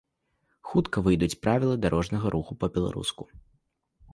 Хутка выйдуць правілы дарожнага руху па-беларуску.